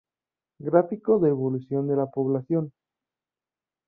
Gráfico de evolución de la población.